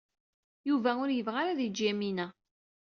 Yuba ur yebɣi ara ad yeǧǧ Yamina.